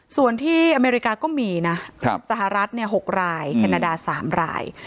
ส่วนที่อเมริกาก็มีนะสหรัฐ๖รายแคนาดา๓ราย